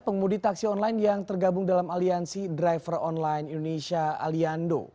pengemudi taksi online yang tergabung dalam aliansi driver online indonesia aliando